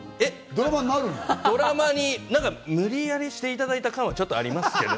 ドラマに無理やりしていただいた感はありますけど。